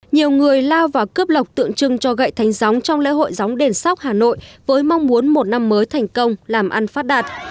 nhiều người lao vào cướp lọc tượng trưng cho gậy thánh gióng trong lễ hội gióng đền sóc hà nội với mong muốn một năm mới thành công làm ăn phát đạt